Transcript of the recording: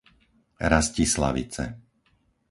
Rastislavice